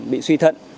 bị suy thận